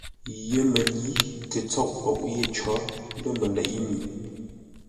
YEMƏLǏ kə tsôʼ poʼ yé có, lə̂ məleʼé mi.